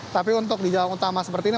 tapi untuk di jalan utama seperti ini